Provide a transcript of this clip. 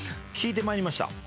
聞いてまいりました。